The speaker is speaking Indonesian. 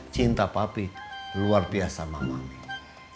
cinta papi luar biasa sama mami